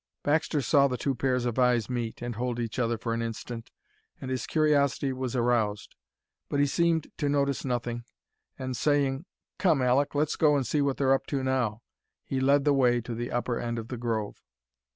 Baxter saw the two pairs of eyes meet and hold each other for an instant, and his curiosity was aroused. But he seemed to notice nothing, and saying, "Come, Aleck, let's go and see what they're up to now," he led the way to the upper end of the grove.